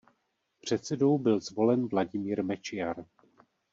Předsedou byl zvolen Vladimír Mečiar.